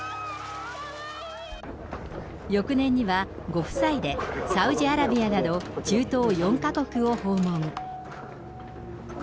翌年にはご夫妻でサウジアラビアなど中東４か国を訪問。